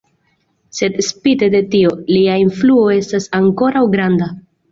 Sed spite de tio, lia influo estas ankoraŭ granda.